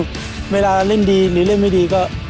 เมื่อเราเล่นดีหรือเล่นไม่ดีก็